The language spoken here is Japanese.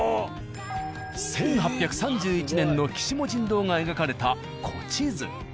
１８３１年の子母神堂が描かれた古地図。